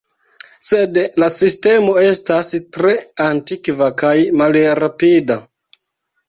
Sed la sistemo estas tre antikva kaj malrapida.